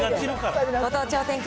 ご当地お天気